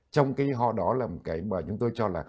trong cái ho đó là một cái mà chúng tôi cho là